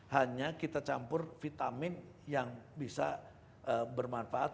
hanya kita campur vitamin yang bisa bermanfaat